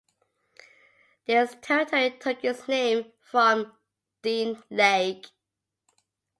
This territory took its name from Dean Lake.